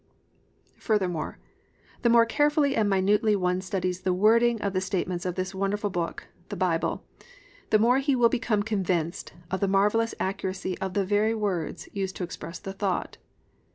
Furthermore, the more carefully and minutely one studies the wording of the statements of this wonderful book—the Bible—the more he will become convinced of the marvellous accuracy of the very words used to express the thought.